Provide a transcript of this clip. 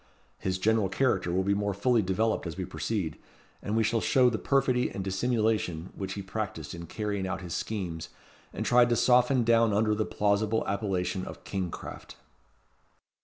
His general character will be more fully developed as we proceed; and we shall show the perfidy and dissimulation which he practised in carrying out his schemes, and tried to soften down under the plausible appellation of "King craft."